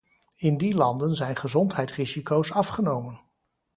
In die landen zijn gezondheidsrisico's afgenomen.